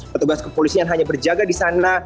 petugas kepolisian hanya berjaga di sana